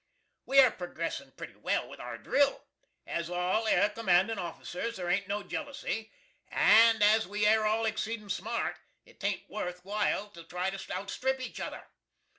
We air progressin pretty well with our drill. As all air commandin offissers, there ain't no jelusy, and as we air all exceedin smart, it t'aint worth while to try to outstrip each other.